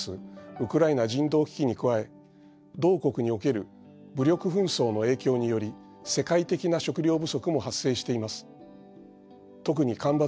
ウクライナ人道危機に加え同国における武力紛争の影響により世界的な食料不足も発生しています。